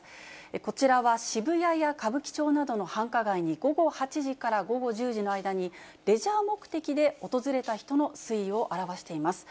こちらは渋谷や歌舞伎町などの繁華街に、午後８時から午後１０時の間に、レジャー目的で訪れた人の推移を表しています。